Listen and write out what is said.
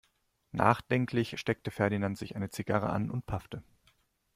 Nachdenklich steckte Ferdinand sich eine Zigarre an und paffte.